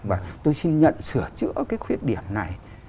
và tôi xin nhận sửa chữa cái khuyết điểm này